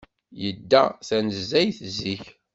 Yedda tanezzayt zik.